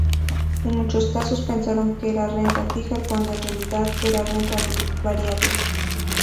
En muchos casos pensaron que era renta fija cuando en realidad era renta variable.